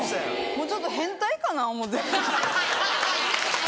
ちょっと変態かな思うて。